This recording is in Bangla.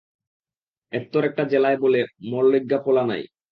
এত্তোর একটা জেলায় বোলে মোর লইগ্গা পোলা নাই।